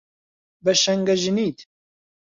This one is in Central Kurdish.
بە شەنگەژنیت